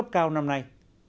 cao năm nay